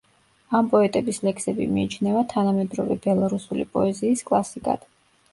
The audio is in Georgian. ამ პოეტების ლექსები მიიჩნევა თანამედროვე ბელარუსული პოეზიის კლასიკად.